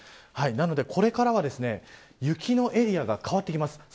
なので、これからは雪のエリアが変わってきます。